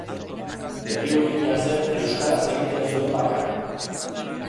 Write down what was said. Begiurdina zen euskaraz egiten zuen bakarra.